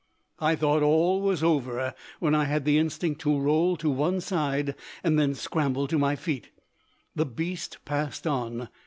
I thought all was over, when I had the instinct to roll to one side and then scramble to my feet. The beast passed on.